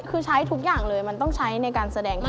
คือใช้ทุกอย่างเลยมันต้องใช้ในการแสดงตัว